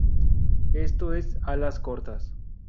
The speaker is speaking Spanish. Esto es ‘alas cortas’.